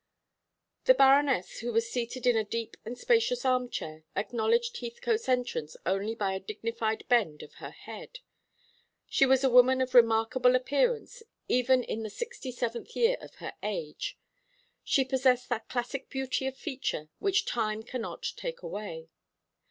The Baroness, who was seated in a deep and spacious armchair, acknowledged Heathcote's entrance only by a dignified bend of her head. She was a woman of remarkable appearance even in the sixty seventh year of her age. She possessed that classic beauty of feature which time cannot take away.